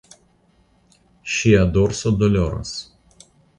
Ŝia dorso doloras.